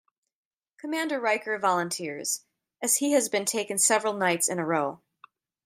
Commander Riker volunteers, as he has been taken several nights in a row.